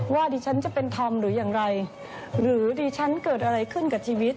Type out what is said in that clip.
ดิฉันจะเป็นธรรมหรืออย่างไรหรือดิฉันเกิดอะไรขึ้นกับชีวิต